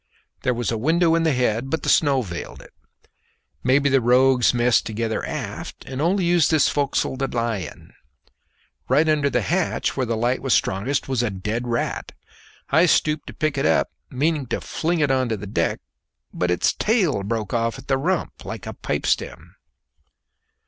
There was a window in the head, but the snow veiled it. Maybe the rogues messed together aft, and only used this forecastle to lie in. Right under the hatch, where the light was strongest, was a dead rat. I stooped to pick it up, meaning to fling it on to the deck, but its tail broke off at the rump, like a pipe stem.